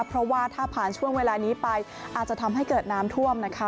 เพราะว่าถ้าผ่านช่วงเวลานี้ไปอาจจะทำให้เกิดน้ำท่วมนะคะ